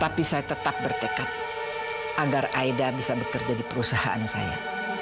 tapi saya tetap bertekad agar aida bisa bekerja di perusahaan saya